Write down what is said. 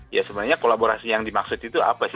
ya sebenarnya kolaborasi yang dimaksud itu apa sih